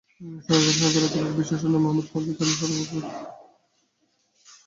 সহকারী অধ্যাপক, বীরশ্রেষ্ঠ নূর মোহাম্মদ পাবলিক কলেজ, ঢাকাপরবর্তী অংশ ছাপা হবে আগামীকাল।